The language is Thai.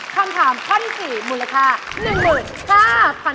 คำถามข้อที่๔มูลค่า